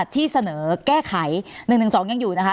ที่เสนอแก้ไข๑๑๒ยังอยู่นะคะ